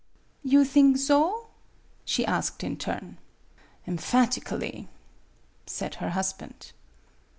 " You thing so ?" she asked in turn. "Emphatically," said her husband.